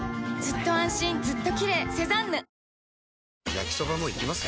焼きソバもいきます？